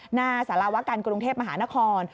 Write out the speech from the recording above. หน้าสารวการกรุงเทพมหานคร